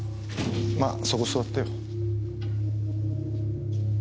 まあそこ座ってよ。